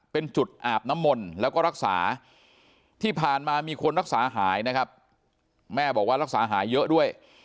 เป็นจุดอาบน้ำมนต์แล้วก็รักษาที่ผ่านมามีคนรักษาหายนะครับแม่บอกว่ารักษาหายเยอะด้วย